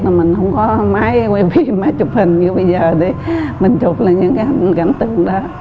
là mình không có mái quay phim mái chụp hình như bây giờ để mình chụp lại những cảnh tượng đó